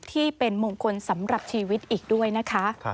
ที่เป็นมงคลสำหรับชีวิตอีกด้วยนะคะ